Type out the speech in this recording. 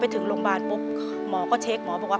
เปลี่ยนเพลงเพลงเก่งของคุณและข้ามผิดได้๑คำ